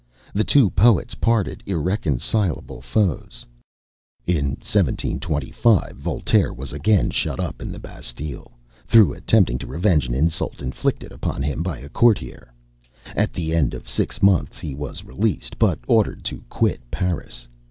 The two poets parted irreconcileable foes. In 1725, Voltaire was again shut up in the Bastile, through attempting to revenge an insult inflicted upon him by a courtier. At the end of six months he was released, but ordered to quit Paris.